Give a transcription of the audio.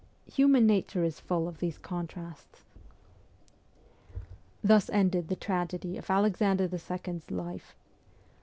Human nature is full of these contrasts. Thus ended the tragedy of Alexander the Second's life.